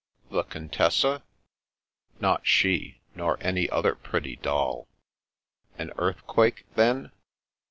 "TheContessa?'' " Not she, nor any other pretty doll/* " An earthquake, then